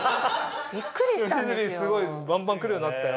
すごいバンバン来るようになったよ。